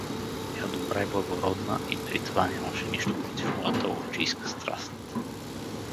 Тя добра и благородна и при това нямаше нищо против моята ловджийска страст.